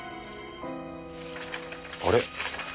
あれ？